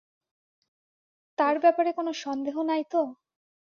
তার ব্যাপারে কোন সন্দেহ নাই তো?